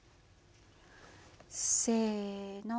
せの。